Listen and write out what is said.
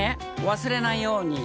忘れないように。